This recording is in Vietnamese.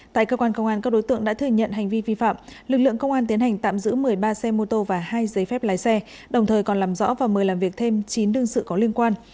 tại cơ quan công an các đối tượng đã thừa nhận hành vi vi phạm lực lượng công an tiến hành tạm giữ một mươi ba xe mô tô và hai giấy phép lái xe đồng thời còn làm rõ và mời làm việc thêm chín đương sự có liên quan